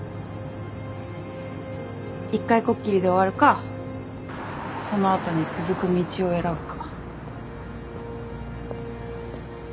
一回こっきりで終わるかその後に続く道を選ぶか。